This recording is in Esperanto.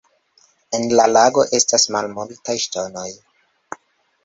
En la lago estas multaj ŝtonoj.